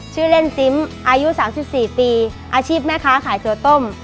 ชื่อเล่นซิมอายุ๓๔ปีอาชีพแม่ค้าขายถั่วต้ม